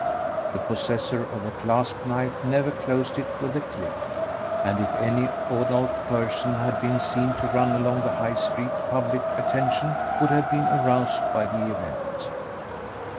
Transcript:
The possessor of a clasp knife never closed it with a click; and if any adult person had been seen to run along the High street public attention would have been aroused by the event.